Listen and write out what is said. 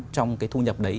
trong cái thu nhập đấy